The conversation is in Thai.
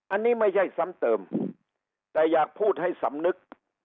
อันนี้ไม่ใช่ซ้ำเติมแต่อยากพูดให้สำนึก